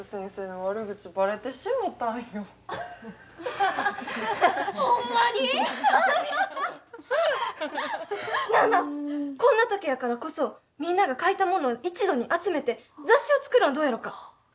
なあなあこんな時やからこそみんなが書いたものを一度に集めて雑誌を作るんはどうやろか？